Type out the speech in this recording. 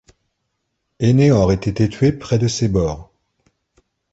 Énée aurait été tué près de ses bords.